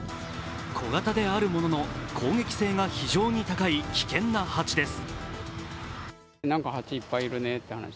小型であるものの攻撃性が非常に高い危険な蜂です。